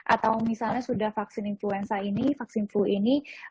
atau misalnya sudah vaksin influenza ini vaksin flu ini